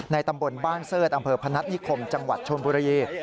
ตำบลบ้านเสิร์ธอำเภอพนัฐนิคมจังหวัดชนบุรี